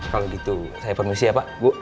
kalau gitu saya permisi ya pak bu